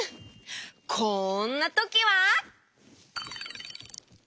こんなときは！